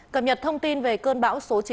cập nhật thông tin về cơn bão số chín